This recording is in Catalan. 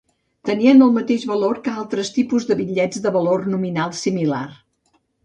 Tenien el mateix valor que altres tipus de bitllets de valor nominal similar.